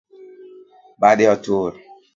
Bade otur